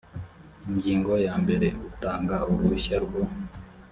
ingingo ya mbere utanga uruhushya rwo